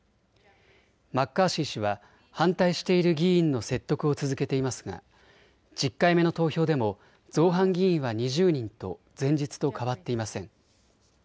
マッカーシー氏は反対している議員の説得を続けていますが１０回目の投票でも造反議員は２０人と前日と変わっていません。